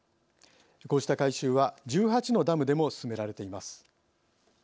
こうした改修は１８のダムでも進められています。